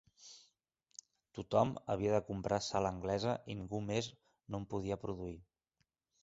Tothom havia de comprar sal anglesa i ningú més no en podia produir.